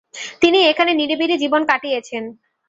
তিনি এখানে নিরিবিলি জীবন কাটিয়েছেন।